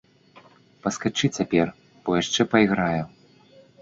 Паскачы цяпер, бо яшчэ пайграю.